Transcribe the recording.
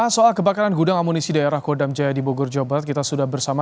selamat petang mas ibrahim